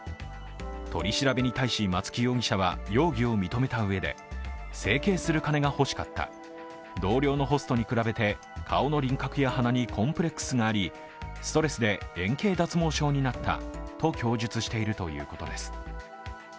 取り調べに対し松木容疑者は容疑を認めたうえで整形する金が欲しかった同僚のホストに比べて顔の輪郭や鼻にコンプレックスがありストレスで円形脱毛症になったと供述しているということです。